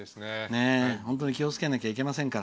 本当に気をつけなきゃいけません。